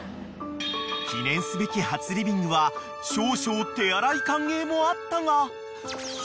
［記念すべき初リビングは少々手荒い歓迎もあったが］